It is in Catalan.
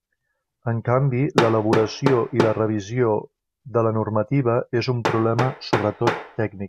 En canvi, l'elaboració i la revisió de la normativa és un problema sobretot tècnic.